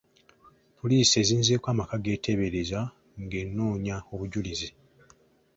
Poliisi ezinzeeko amaka g'eteebereza ng'enoonya obujulizi.